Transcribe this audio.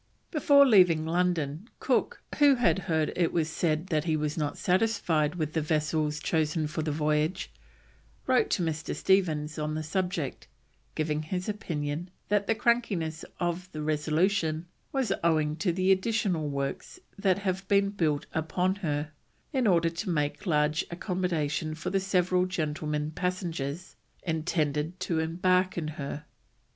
Before leaving London Cook, who had heard it was said that he was not satisfied with the vessels chosen for the voyage, wrote to Mr. Stephens on the subject, giving his opinion that the crankness of the Resolution "was owing to the additional works that have been built upon her in order to make large accommodation for the several gentlemen passengers intended to embark in her."